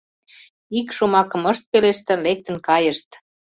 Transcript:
Ик шомакым ышт пелеште, лектын кайышт.